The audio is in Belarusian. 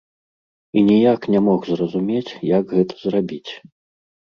І ніяк не мог зразумець, як гэта зрабіць.